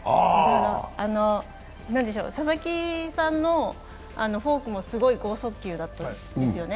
佐々木さんのフォークもすごい剛速球でしたよね。